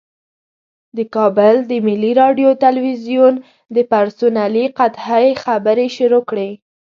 د کابل د ملي راډیو تلویزیون د پرسونلي قحطۍ خبرې شروع کړې.